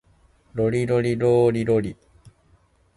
ロリロリローリロリ